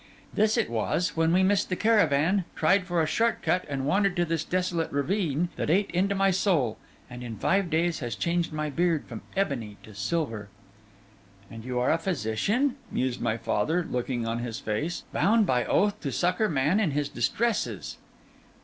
This it was, when we missed the caravan, tried for a short cut and wandered to this desolate ravine, that ate into my soul, and, in five days, has changed my beard from ebony to silver.' 'And you are a physician,' mused my father, looking on his face, 'bound by oath to succour man in his distresses.